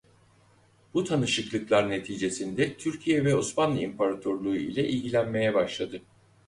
Bu tanışıklıklar neticesinde Türkiye ve Osmanlı İmparatorluğu ile ilgilenmeye başladı.